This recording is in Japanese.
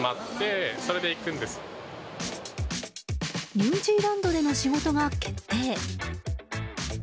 ニュージーランドでの仕事が決定。